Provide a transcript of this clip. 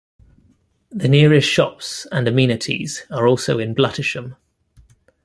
The nearest shops and amenities are also in Bluntisham.